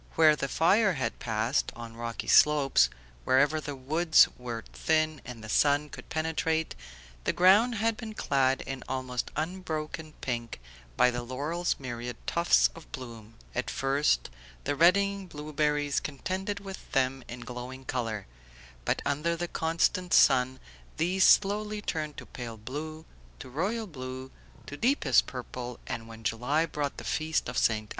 Where the fire had passed, on rocky slopes, wherever the woods were thin and the sun could penetrate, the ground had been clad in almost unbroken pink by the laurel's myriad tufts of bloom; at first the reddening blueberries contended with them in glowing colour, but under the constant sun these slowly turned to pale blue, to royal blue, to deepest purple, and when July brought the feast of Ste.